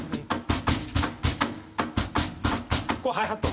これハイハット。